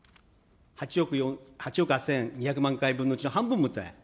８億８２００万回分のうち、半分も打ってない。